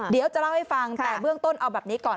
เดี๋ยวจะเล่าให้ฟังแต่เบื้องต้นเอาแบบนี้ก่อน